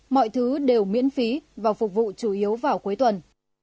mọi thứ đều miễn phí và phục vụ chủ yếu vào cuối tuần